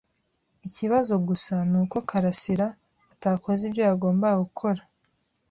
Ikibazo gusa ni uko karasira atakoze ibyo yagombaga gukora.